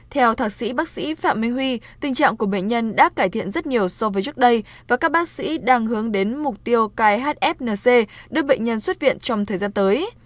theo thạc sĩ bác sĩ phạm minh huy tình trạng của bệnh nhân đã cải thiện rất nhiều so với trước đây và các bác sĩ đang hướng đến mục tiêu cai hfnc đưa bệnh nhân xuất viện trong thời gian tới